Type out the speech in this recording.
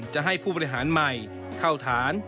จะให้ผู้บริหารใหม่เข้าฐาน